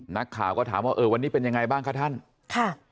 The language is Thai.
นักข่าวก็ถามว่าเออวันนี้เป็นยังไงบ้างคะท่านค่ะ